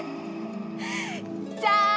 じゃん！